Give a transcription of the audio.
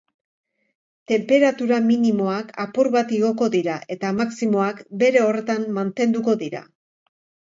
Tenperatura minimoak apur bat igoko dira eta maximoak bere horretan mantenduko dira.